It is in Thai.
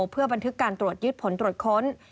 เพื่อบันทึกการตรวจยึดผลตรวจค้น